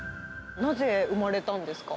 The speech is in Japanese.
なぜ生まれたんですか？